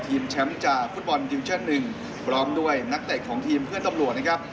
แชมป์จากฟุตบอลดิวิวชั่นหนึ่งพร้อมด้วยนักเตะของทีมเพื่อนตำรวจนะครับ